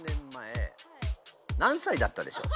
何さいだったでしょう？